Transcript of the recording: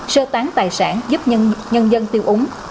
sơ tán tài sản giúp nhân dân tiêu úng